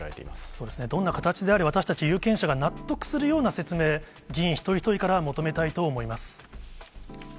そうですね、どんな形であれ、私たち有権者が納得するような説明、議員一人一人から求めたいと思います。